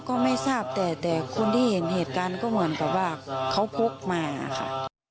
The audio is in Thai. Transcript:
ก็ไม่ทราบแต่แต่คนที่เห็นเหตุการณ์ก็เหมือนกับว่าเขาพกมาค่ะ